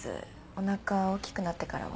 おなか大きくなってからは。